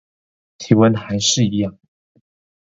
體溫還是一樣